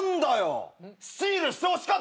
スチールしてほしかったな。